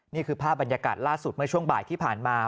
นี่คือภาพบรรยากาศล่าสุดเมื่อช่วงบ่ายที่ผ่านมา